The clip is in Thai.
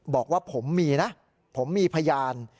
บอกว่าผมมีนะผมมีพยาน